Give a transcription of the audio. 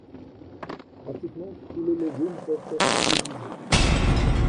Pratiquement tous les légumes peuvent être utilisés.